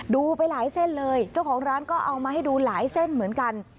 ดูไปหลายเส้นเลยเจ้าของร้านก็เอามาให้ดูหลายเส้นเหมือนกัน